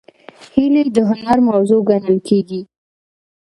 هیلۍ د هنر موضوع ګڼل کېږي